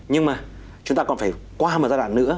nhưng mà chúng ta còn phải qua một giai đoạn nữa